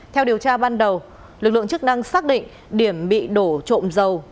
theo điều tra ban đầu lực lượng chức năng xác định điểm bị đổ trộm dầu